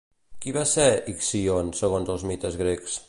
Qui va ser Ixíon segons els mites grecs?